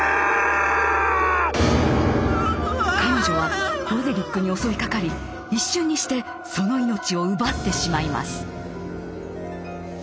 彼女はロデリックに襲いかかり一瞬にしてその命を奪ってしまいます。